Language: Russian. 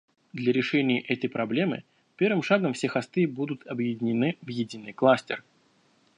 Для решения этой проблемы первым шагом все хосты будут объединены в единый кластер